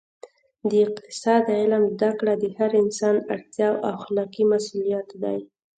د اقتصاد علم زده کړه د هر انسان اړتیا او اخلاقي مسوولیت دی